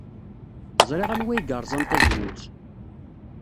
Ẓriɣ anwa ay yerẓan tazewwut.